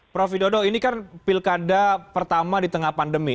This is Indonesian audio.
prof widodo ini kan pilkada pertama di tengah pandemi